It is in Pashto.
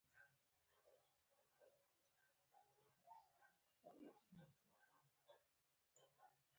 عامیانه او ظاهري رنګ یې درلود.